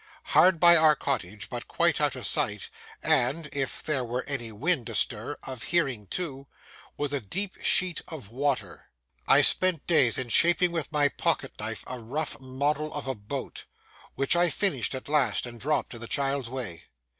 Hard by our cottage, but quite out of sight, and (if there were any wind astir) of hearing too, was a deep sheet of water. I spent days in shaping with my pocket knife a rough model of a boat, which I finished at last and dropped in the child's way.